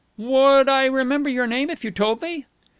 "Would I remember your name if you told me?"